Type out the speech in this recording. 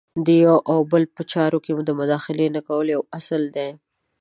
د یو او بل په چارو کې د مداخلې نه کول یو اصل دی.